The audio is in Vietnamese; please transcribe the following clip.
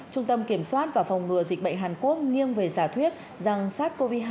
trung tâm kiểm soát và phòng ngừa dịch bệnh hàn quốc nghiêng về giả thuyết rằng sars cov hai